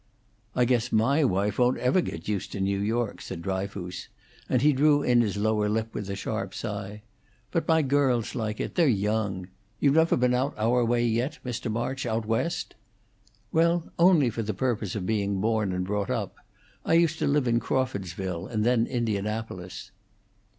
"I guess my wife won't ever get used to New York," said Dryfoos, and he drew in his lower lip with a sharp sigh. "But my girls like it; they're young. You never been out our way yet, Mr. March? Out West?" "Well, only for the purpose of being born, and brought up. I used to live in Crawfordsville, and then Indianapolis."